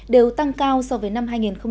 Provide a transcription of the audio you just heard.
đều tăng cao so với năm hai nghìn một mươi tám